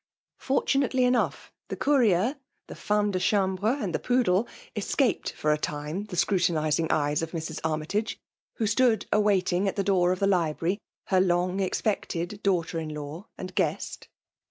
*' Fortunately enough, the courier,. the femme de chambre, and the poodle, escaped for a time the scrutinizing eyes of Mrs. Armytage, who stood awaiting, at the door of the library, faer long expected daughter in law and guest."